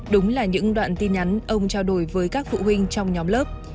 đúng là những đoạn tin nhắn ông trao đổi với các phụ huynh trong nhóm lớp